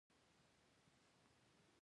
سنايي مقبره ولې زیارت دی؟